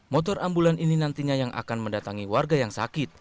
motor ambulans ini nantinya yang akan mendatangi warga yang sakit